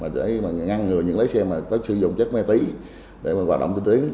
để ngăn ngừa những lái xe có sử dụng chất ma túy để hoạt động tỉnh tiến